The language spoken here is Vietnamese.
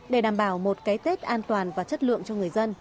để đảm bảo một cái tết an toàn và chất lượng cho người dân